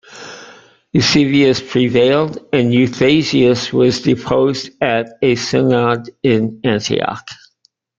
Eusebius prevailed and Eustathius was deposed at a synod in Antioch.